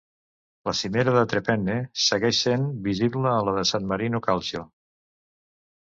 La cimera de Tre Penne segueix sent visible a la de San Marino Calcio.